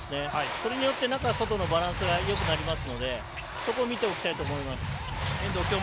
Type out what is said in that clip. それによって中、外のバランスがよくなりますのでそこを見ておきたいと思います。